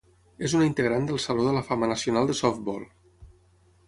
És una integrant del Saló de la Fama nacional de Softball.